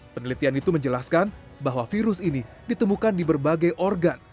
penelitian itu menjelaskan bahwa virus ini ditemukan di berbagai organ